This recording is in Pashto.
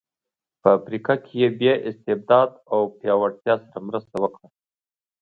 په افریقا کې یې بیا استبداد او پیاوړتیا سره مرسته وکړه.